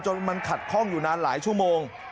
มันขัดข้องอยู่นานหลายชั่วโมง